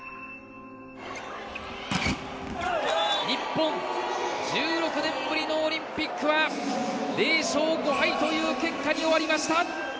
日本１６年ぶりのオリンピックは０勝５敗という結果に終わりました。